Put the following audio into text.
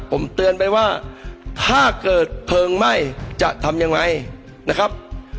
ผมเตือนไปว่าถ้าเกิดเพลิงไหม้จะทำยังไงนะครับ